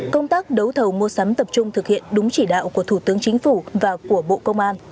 công tác đấu thầu mua sắm tập trung thực hiện đúng chỉ đạo của thủ tướng chính phủ và của bộ công an